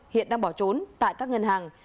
hiện đang bỏ trốn tại các ngân hàng